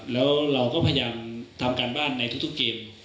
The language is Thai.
แล้วเราก็พยายามทำการบ้านในทุกเกม